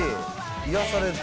癒やされた。